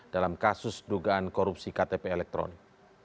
dalam kasus dugaan korupsi ktp elektronik